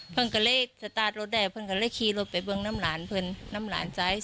พรึงกะเลเรทราดรถแด่พรึงกะเลเรขี้รถไปเบิ่งน้ำหลานพรึงน้ำหลานจ่าย